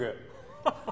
ハハハ！